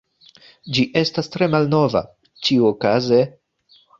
Ĝi estas tre malnova. Ĉiuokaze…